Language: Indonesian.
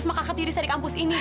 semaka ketiris saya di kampus ini